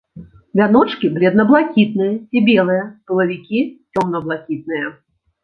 Вяночкі бледна-блакітныя ці белыя, пылавікі цёмна-блакітныя.